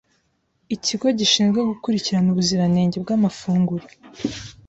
ikigo gishinzwe gukurikirana ubuziranenge bw’amafunguro